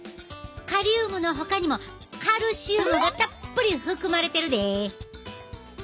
カリウムのほかにもカルシウムがたっぷり含まれてるでえ。